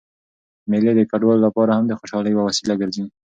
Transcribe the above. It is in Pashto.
مېلې د کډوالو له پاره هم د خوشحالۍ یوه وسیله ګرځي.